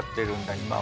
今は。